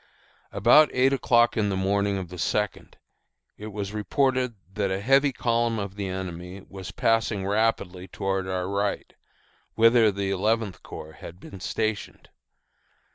About eight o'clock on the morning of the second, it was reported that a heavy column of the enemy was passing rapidly toward our right, whither the Eleventh Corps had been stationed.